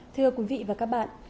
thưa quý vị và các bạn